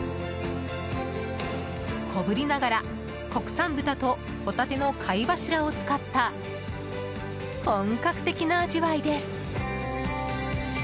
小ぶりながら国産豚とホタテの貝柱を使った本格的な味わいです。